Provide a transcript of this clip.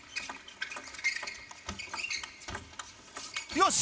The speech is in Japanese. よし！